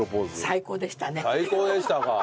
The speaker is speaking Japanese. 最高でしたか？